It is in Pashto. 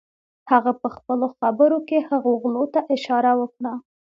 هغه پهخپلو خبرو کې هغو غلو ته اشاره وکړه.